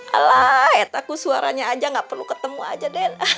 alah takut suaranya aja gak perlu ketemu aja den